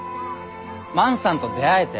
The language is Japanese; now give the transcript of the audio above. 万さんと出会えて。